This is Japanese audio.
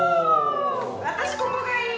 私ここがいい。